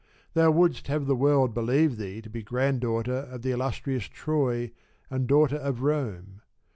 Thou wouldst have the world believe thee to be grand daughter of the illustrious Troy, and daughter of Rome.